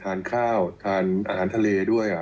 ทานข้าวทานอาหารทะเลด้วย